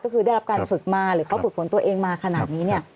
ก็คือได้รับการฝึกมาหรือเขาฝึกฝนตัวเองมาขนาดนี้เนี่ย